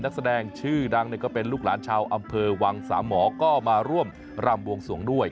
นักแสดงชื่อดังก็เป็นลูกหลานชาวอำเภอวังสามหมอก็มาร่วมรำบวงสวงด้วย